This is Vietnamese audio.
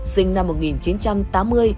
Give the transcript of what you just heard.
sinh năm một nghìn chín trăm tám mươi